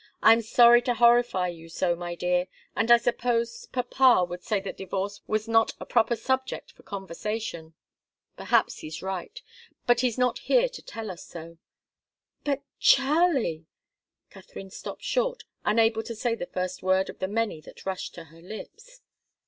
I'm sorry to horrify you so, my dear, and I suppose papa would say that divorce was not a proper subject for conversation. Perhaps he's right but he's not here to tell us so." "But, Charlie " Katharine stopped short, unable to say the first word of the many that rushed to her lips.